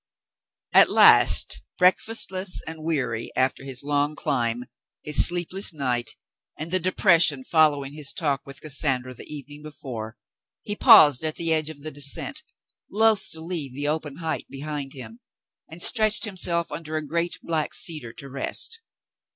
At last, breakfastless and weary after his long climb, his sleepless night, and the depression following his talk with Cassandra the evening before, he paused at the edge of the descent, loath to leave the open height behind him, and stretched himself under a great black cedar to rest.